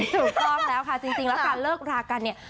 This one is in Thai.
ถูกต้องแล้วค่ะจริงแล้วค่ะเลิกรากันเนี่ย